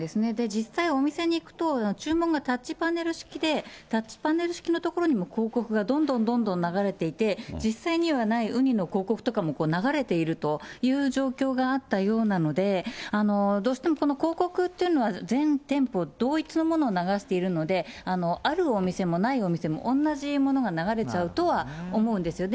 実際お店に行くと、注文がタッチパネル式で、タッチパネル式の所にも広告がどんどんどんどん流れていて、実際にはないウニの広告とかも流れというというような状況があったようなので、どうしてもこの広告というのは、全店舗同一のものを流しているので、あるお店もないお店も同じものが流れちゃうとは思うんですよ。